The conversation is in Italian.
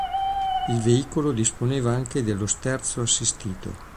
Il veicolo disponeva anche dello sterzo assistito.